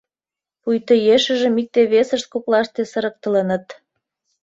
Пуйто ешыжым икте-весышт коклаште сырыктылыныт.